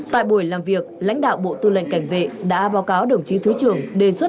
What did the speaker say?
tại buổi làm việc lãnh đạo bộ tư lệnh cảnh vệ đã báo cáo đồng chí thứ trưởng đề xuất